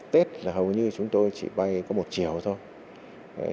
tết là hầu như chúng tôi chỉ bay có một chiều thôi